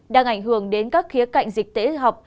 đang ảnh hưởng đến các khía cạnh dịch tễ học